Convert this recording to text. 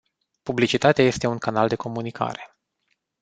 Publicitatea este un canal de comunicare.